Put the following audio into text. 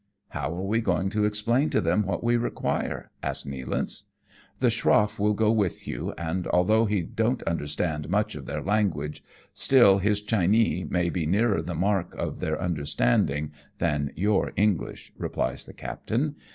"How are we going to explain to them what we require ?" asks Nealance. "The schroff will go with you, and although he don't understand much of their language, still his Chinee may be nearer the mark of their understanding than your English," replies the captain.